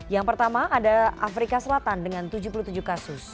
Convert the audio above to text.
yang pertama ada afrika selatan dengan tujuh puluh tujuh kasus